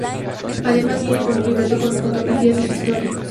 Además, viene con un libreto con fotografías de su historia.